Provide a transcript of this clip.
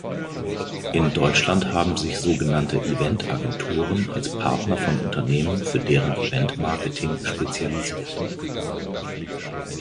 In Deutschland haben sich sogenannte Event-Agenturen als Partner von Unternehmen für deren Eventmarketing spezialisiert.